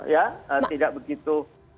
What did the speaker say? ya tidak begitu